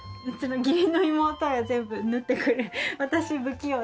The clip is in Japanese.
うちの義理の妹が全部縫ってくれて。